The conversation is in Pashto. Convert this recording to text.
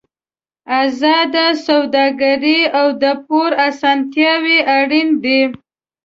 ازاده سوداګري او د پور اسانتیاوې اړین دي.